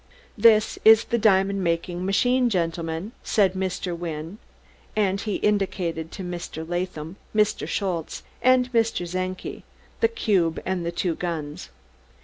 "This is the diamond making machine, gentlemen," said Mr. Wynne, and he indicated to Mr. Latham, Mr. Schultze and Mr. Czenki the cube and the two guns.